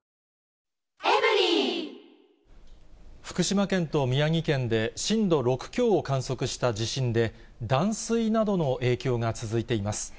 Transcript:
福島県と宮城県で震度６強を観測した地震で、断水などの影響が続いています。